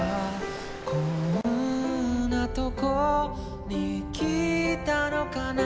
「こんなとこに来たのかな」